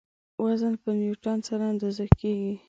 وزن په نیوټن سره اندازه کیږي.